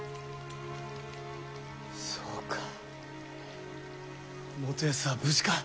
そうか元康は無事か。